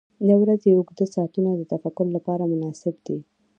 • د ورځې اوږده ساعتونه د تفکر لپاره مناسب دي.